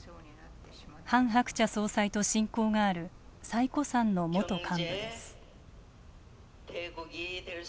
ハン・ハクチャ総裁と親交がある最古参の元幹部です。